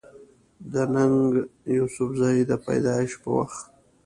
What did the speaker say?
د ننګ يوسفزۍ د پېدايش پۀ وخت